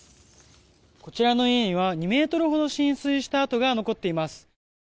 こちらの家には２ｍほど浸水した跡が残っています。